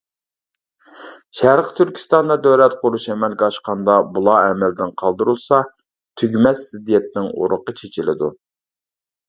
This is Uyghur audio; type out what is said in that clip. شەرقى تۈركىستاندا دۆلەت قۇرۇش ئەمەلگە ئاشقاندا بۇلار ئەمەلدىن قالدۇرۇلسا تۈگىمەس زىددىيەتنىڭ ئۇرۇقى چېچىلىدۇ.